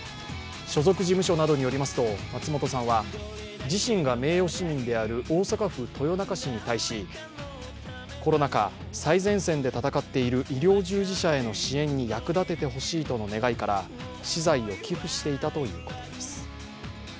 所属事務所などによりますと松本さんは自身が名誉市民である大阪府豊中市に対し、コロナ禍、最前線で戦っている医療従事者への支援に役立ててほしいとの願いから私財を寄付していたということです。